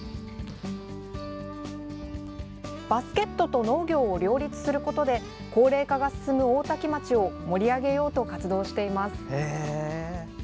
バスケットと農業を両立することで高齢化が進む大多喜町を盛り上げようと活動しています。